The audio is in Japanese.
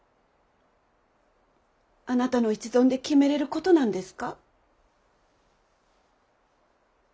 あなたの一存で決めれることなんですか？